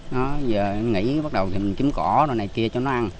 nói bây giờ nó nghỉ bắt đầu thì mình kiếm cỏ này kia cho nó ăn